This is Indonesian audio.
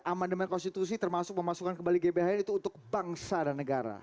amandemen konstitusi termasuk memasukkan kembali gbhn itu untuk bangsa dan negara